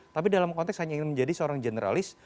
tapi dalam konteks hanya ingin menjadi seorang generalis